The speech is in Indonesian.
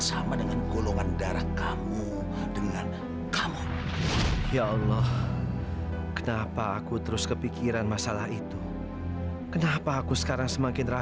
sampai jumpa di video selanjutnya